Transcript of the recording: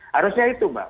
harusnya itu mbak